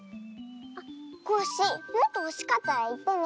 あっコッシーもっとほしかったらいってね。